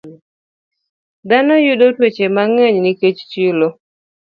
Dhano yudo tuoche mang'eny nikech chilo.